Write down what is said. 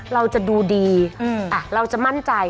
เราจะดูดีเราจะมั่นใจ